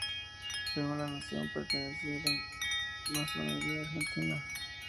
Según La Nación, perteneció a la masonería argentina.